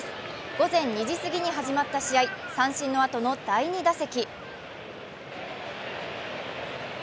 午前２時すぎに始まった試合三振のあとの第２打席。